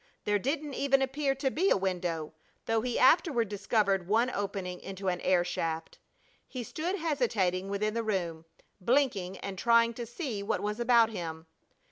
There didn't even appear to be a window, though he afterward discovered one opening into an air shaft. He stood hesitating within the room, blinking and trying to see what was about him.